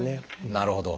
なるほど。